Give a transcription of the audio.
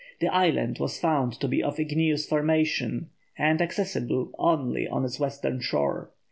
the island was found to be of igneous formation and accessible only on its western shore.